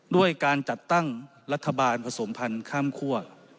ด้วยการจัดตั้งรัฐบาลผสมพันธ์ข้ามคั่ว